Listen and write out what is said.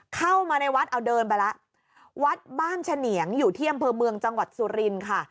เข้ามาในวัดเอาเดินไปแล้ววัดบ้านเฉนียงอยู่ที่อำเภอเมืองจังหวัดสุรินค่ะ